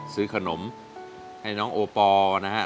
ซื้อขนมให้น้องโอปอล์นะฮะ